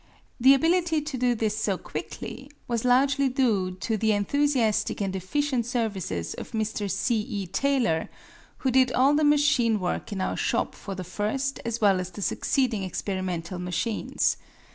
The ability to do this so quickly was largely due to the enthusiastic and efficient services of Mr. C. E. Taylor, who did all the machine work in our shop for the first as well as the succeeding experimental machines.